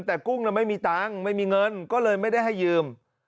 แต่กุ้งไม่มีเงินก็เลยไม่ได้ให้ยืม